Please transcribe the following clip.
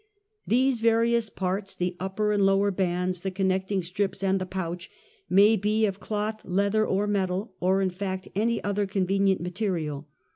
''These various parts — the upper and lower bands, the connecting strips, and the pouch — may be of cloth, leather, or metal, or, in fact, any other con venient material.